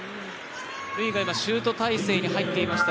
ルイがシュート体勢に入っていました。